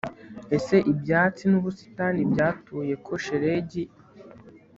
Ese ibyatsi nubusitani byatuye ko shelegi